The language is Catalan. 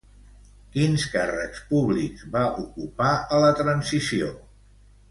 Quins càrrecs públics va ocupar a la transició?